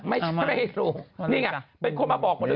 ไม่ใช่นี่ไงเป็นคนมาบอก